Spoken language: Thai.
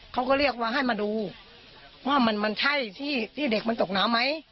เขาก็เรียกว่าให้มาดูว่ามันใช่ที่เด็กมันตกน้ำไหม